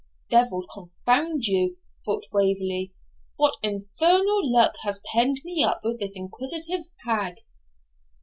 'Devil confound you,' thought Waverley: 'what infernal luck has penned me up with this inquisitive hag!'